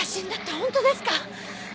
本当ですか？